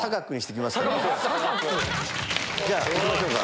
じゃあ行きましょうか。